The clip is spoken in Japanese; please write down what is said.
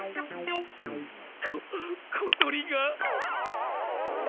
こっ小鳥が。